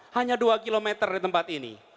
hanya dua kilometer dari tempat ini